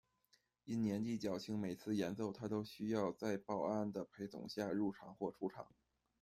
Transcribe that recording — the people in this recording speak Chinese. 因年纪较轻，每次演奏他都需要在保安的陪同下入场或出场。